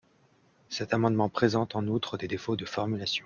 Cet amendement présente en outre des défauts de formulation.